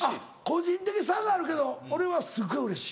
個人的差があるけど俺はすごいうれしい。